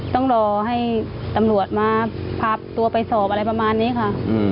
ต้องรอให้ตำรวจมาพาตัวไปสอบอะไรประมาณนี้ค่ะ